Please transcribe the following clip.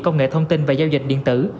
công nghệ thông tin và giao dịch điện tử